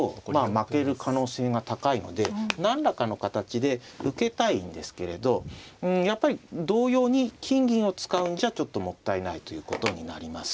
負ける可能性が高いので何らかの形で受けたいんですけれどやっぱり同様に金銀を使うんじゃちょっともったいないということになります。